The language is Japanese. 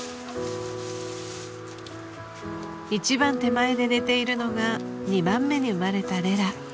［一番手前で寝ているのが２番目に生まれたレラ］